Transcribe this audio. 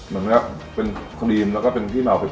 มันนะเป็นครีมแล้วก็เป็นที่เมาเผ็ด